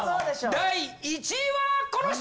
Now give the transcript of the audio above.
第１位はこの人！